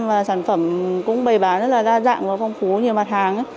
và sản phẩm cũng bày bán rất là đa dạng và phong phú nhiều mặt hàng